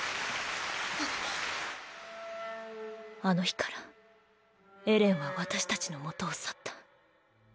あの日からエレンは私たちの元を去った。